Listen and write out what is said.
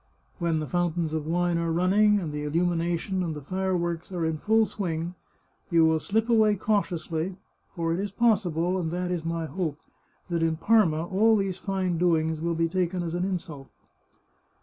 When the fountains of wine are running, and the illumination and the fireworks are in full swing, you will slip away cautiously, for it is possible, and that is my hope, that in Parma all these fine doings will be taken as an insult."